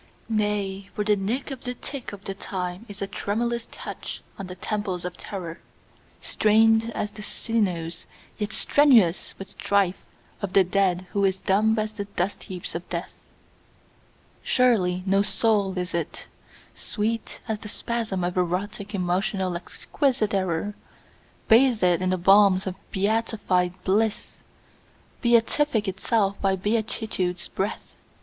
Nay, for the nick of the tick of the time is a tremulous touch on the temples of terror, Strained as the sinews yet strenuous with strife of the dead who is dumb as the dust heaps of death; Surely no soul is it, sweet as the spasm of erotic emotional exquisite error, Bathed in the balms of beatified bliss, beatific itself by beatitude's breath.